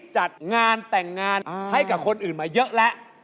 จัดงานแต่งงานให้กับคนอื่นมาเยอะแล้ว